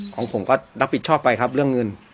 ของผมก็รับผิดชอบไปครับเรื่องเงิน